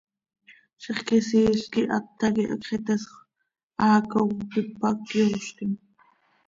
Zixquisiil quih ata quih hacx iteesxö, haaco cop ipac cöyoozquim.